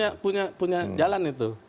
anda punya jalan itu